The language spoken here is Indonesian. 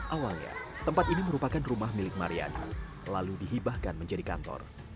awalnya tempat ini merupakan rumah milik mariana lalu dihibahkan menjadi kantor